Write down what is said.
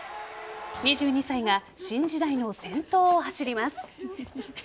２２歳が新時代の先頭を走ります。